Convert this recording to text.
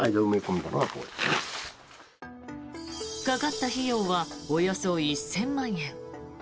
かかった費用はおよそ１０００万円。